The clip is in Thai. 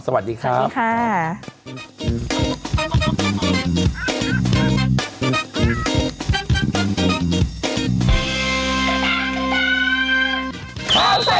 สวัสดีครับ